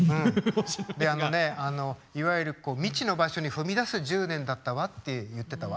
であのねいわゆる未知の場所に踏み出す１０年だったわって言ってたわ。